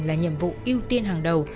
là nhiệm vụ ưu tiên hàng đầu